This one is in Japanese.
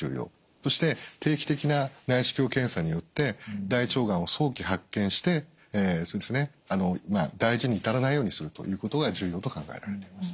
そして定期的な内視鏡検査によって大腸がんを早期発見して大事に至らないようにするということが重要と考えられています。